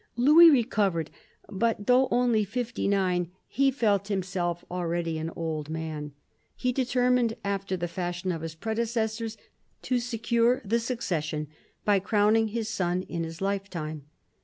Louis recovered, but, though only fifty nine, he felt himself already an old man. He determined, after the fashion of his predecessors, to secure the succession by crowning his son in his life time.